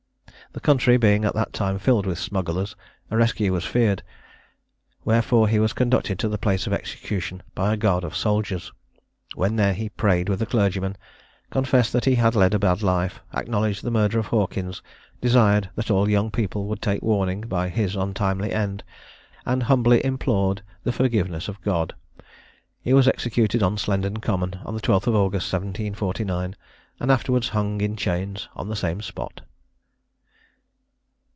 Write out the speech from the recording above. The country being at that time filled with smugglers, a rescue was feared; wherefore he was conducted to the place of execution by a guard of soldiers. When there, he prayed with a clergyman, confessed that he had led a bad life, acknowledged the murder of Hawkins, desired that all young people would take warning by his untimely end, and humbly implored the forgiveness of God. He was executed on Slendon Common on the 12th of August 1749, and afterwards hung in chains on the same spot.